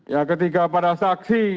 ya ketika pada saksi